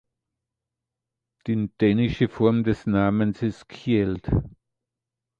Die dänische Form des Namens ist Kjeld.